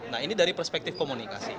nah ini dari perspektif komunikasi